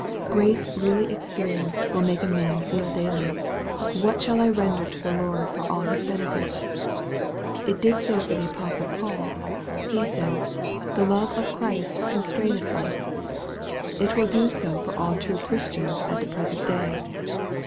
Grace really experienced will make a man feel daily, " What shall I render to the Lord for all His benefits." It did so for the apostle Paul : he says, " the love of Christ constraineth us." (2 Cor. v. 14.) It will do so for all true Christians at the present day.